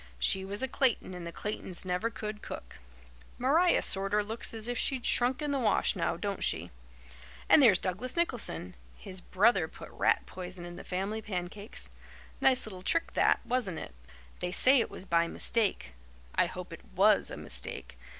She was a Clayton and the Claytons never could cook. Maria sorter looks as if she'd shrunk in the wash, now, don't she? And there's Douglas Nicholson. His brother put rat poison in the family pancakes. Nice little trick that, wasn't it? They say it was by mistake. I hope it WAS a mistake.